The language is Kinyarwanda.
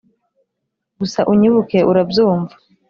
gusa unyibuke; urabyumva